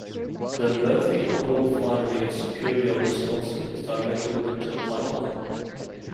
The Murphy Oil refinery in Superior, Wisconsin, is directly linked to the pipeline.